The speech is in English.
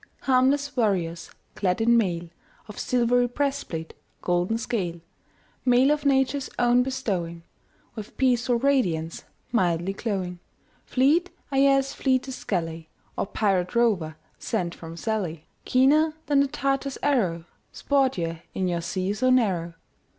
Harmless warriors, clad in mail Of silver breastplate, golden scale; Mail of Nature's own bestowing, With peaceful radiance, mildly glowing Fleet are ye as fleetest galley Or pirate rover sent from Sallee; Keener than the Tartar's arrow, Sport ye in your sea so narrow.